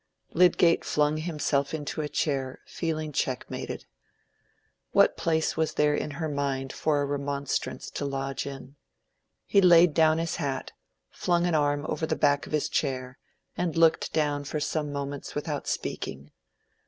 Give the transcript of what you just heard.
Lydgate flung himself into a chair, feeling checkmated. What place was there in her mind for a remonstrance to lodge in? He laid down his hat, flung an arm over the back of his chair, and looked down for some moments without speaking.